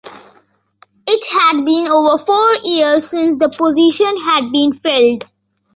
It had been over four years since the position had been filled.